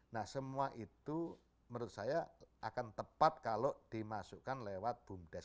nah semua itu menurut saya akan tepat kalau dimasukkan lewat bumdes